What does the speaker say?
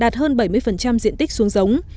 đạt hơn bảy mươi diện tích xuống giống